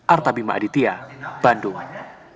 artabima aditya bandung